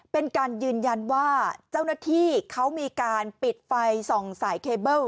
เป็นการยืนยันว่าเจ้าหน้าที่เขามีการปิดไฟส่องสายเคเบิ้ล